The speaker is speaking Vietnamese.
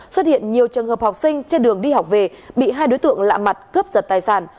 xuất hiện nhiều trường hợp học sinh trên đường đi học về bị hai đối tượng lạ mặt cướp giật tài sản